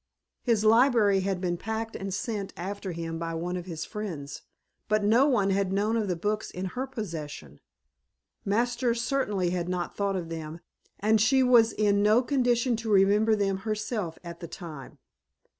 His library had been packed and sent after him by one of his friends, but no one had known of the books in her possession. Masters certainly had not thought of them and she was in no condition to remember them herself at the time.